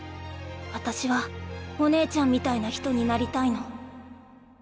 私はお姉ちゃんみたいな人になりたいの。